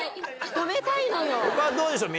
他どうでしょう？